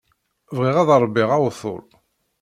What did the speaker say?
Bɣiɣ ad ṛebbiɣ awtul.